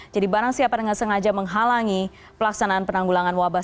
jadi barang siapa dengan sengaja menghalangi pelaksanaan penanggulangan wabah